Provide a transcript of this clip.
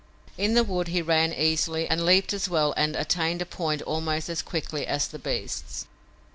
In the wood he ran as easily and leaped as well and attained a point almost as quickly as the beasts.